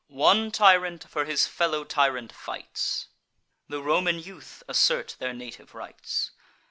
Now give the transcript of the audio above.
One tyrant for his fellow tyrant fights; The Roman youth assert their native rights.